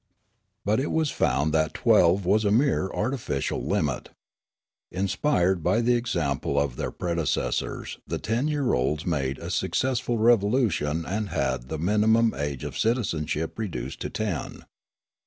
" But it was found that twelve was a mere artificial limit. Inspired by the example of their predecessors, the ten year olds made a successful revolution and had the minimum age of citizenship reduced to ten.